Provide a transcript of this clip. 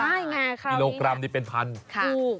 ใช่ไงคราวนี้มิโลกรัมนี่เป็นพันธุ์